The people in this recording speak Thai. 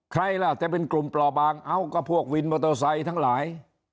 ใครล่ะแต่เป็นกลุ่มปลอบางเอ้าก็พวกวินมอเตอร์ไซค์ทั้งหลาย